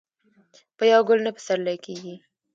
په یو ګل نه پسرلې کیږي.